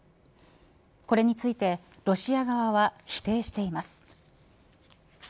これについてロシア側は否定しています。